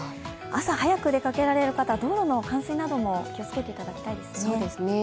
朝早く出かけられる方は、道路の冠水なども気をつけていただきたいですね。